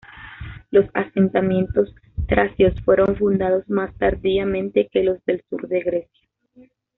Los asentamientos tracios fueron fundados más tardíamente que los del sur de Grecia.